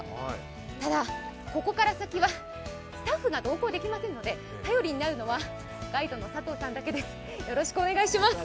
ただ、ここから先はスタッフが同行できませんので頼りになるのはガイドの佐藤さんだけです。